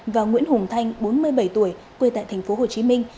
và nguyễn hùng thanh bốn mươi bảy tuổi quê tại thành phố hồ chí minh